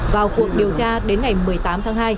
vào cuộc điều tra đến ngày một mươi tám tháng hai